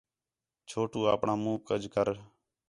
چھوٹو آپݨاں مُنہ کَج کر